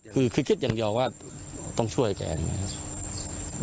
คือคิดอย่างเดียวว่าต้องช่วยแกนะครับ